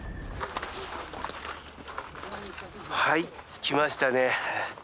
はい着きましたね。